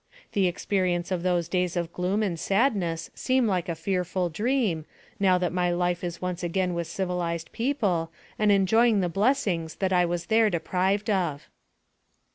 The experience of those days of gloom and sadness seem like a fearful dream, now that my life is once again with civilized people, and enjoying the blessings that I was there deprived of.